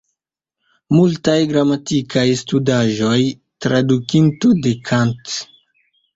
Multaj gramatikaj studaĵoj, tradukinto de Kant.